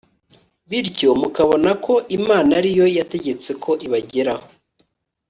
bityo mukabona ko Imana ari yo yategetse ko ibageraho